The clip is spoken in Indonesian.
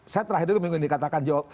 saya terakhir minggu ini katakan